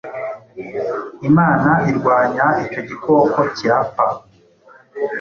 Imana irwanya icyo gikokokirapfa